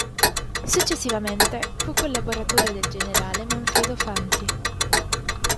Successivamente fu collaboratore del generale Manfredo Fanti.